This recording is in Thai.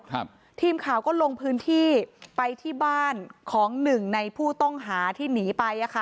ทีมข่าวก็ลงพื้นที่ไปที่บ้านของหนึ่งในผู้ต้องหาที่หนีไปอ่ะค่ะ